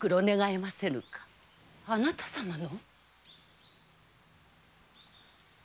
あなた様の？